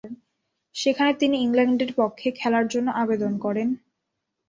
সেখানে তিনি ইংল্যান্ডের পক্ষে খেলার জন্য আবেদন করেন।